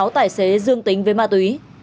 bốn mươi sáu tài xế dương tính với ma túy